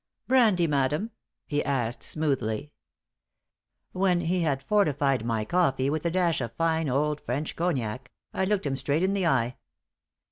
"Brandy, madam?" he asked, smoothly. When he had fortified my coffee with a dash of fine old French cognac, I looked him straight in the eye.